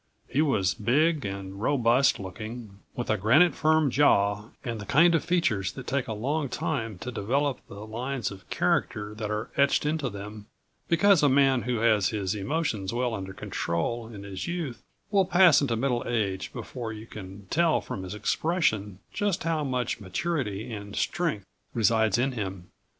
He was big and robust looking, with a granite firm jaw and the kind of features that take a long time to develop the lines of character that are etched into them, because a man who has his emotions well under control in his youth will pass into middle age before you can tell from his expression just how much maturity and strength resides in him.